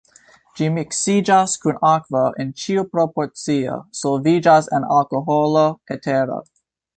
Ĝi miksiĝas kun akvo en ĉiu proporcio, solviĝas en alkoholo, etero.